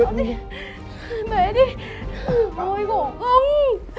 ôi gỗ không